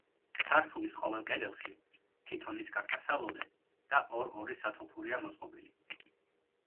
სართულის ყოველ კედელში თითო ნისკარტა სალოდე და ორ-ორი სათოფურია მოწყობილი.